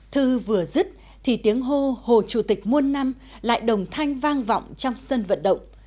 thư vừa dứt thì tiếng hô hồ chủ tịch muôn năm lại đồng thanh vang vọng trong sân vận động